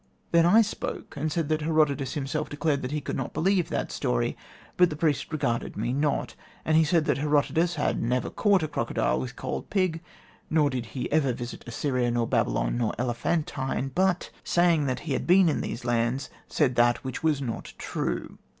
Then I spoke, and said that Herodotus himself declared that he could not believe that story; but the priest regarded me not. And he said that Herodotus had never caught a crocodile with cold pig, nor did he ever visit Assyria, nor Babylon, nor Elephantine; but, saying that he had been in these lands, said that which was not true.